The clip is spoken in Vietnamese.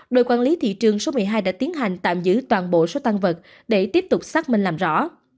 đội quản lý thị trường số một mươi hai đã tiến hành tạm giữ toàn bộ số tăng vật để tiếp tục xác minh làm rõ